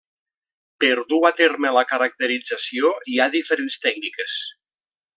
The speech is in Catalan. Per dur a terme la caracterització hi ha diferents tècniques.